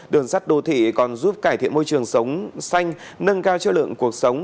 đường sắt đô thị còn giúp cải thiện môi trường sống xanh nâng cao chất lượng cuộc sống